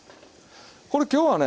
これ今日はね